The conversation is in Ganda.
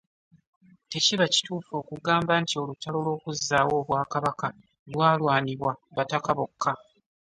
Tekiba kituufu okugamba nti olutalo lw'okuzzaawo Obwakabaka lwalwanibwa bataka bokka.